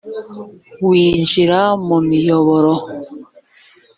winjira mu miyoboro